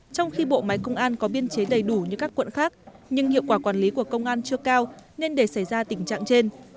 trong khi bộ máy công an có biên chế đầy đủ như các quận khác nhưng hiệu quả quản lý của công an chưa cao nên để xảy ra tình trạng trên